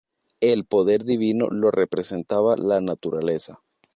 El poder divino lo representaba la naturaleza.